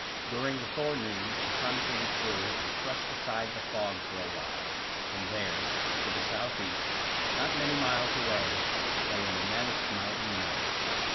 During the forenoon the sun came through and thrust aside the fog for a while; and there, to the south east, not many miles away, lay an immense mountain mass.